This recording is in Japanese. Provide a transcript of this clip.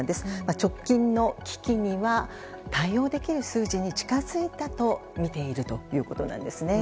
直近の危機には対応できる数字に近づいたとみているということなんですね。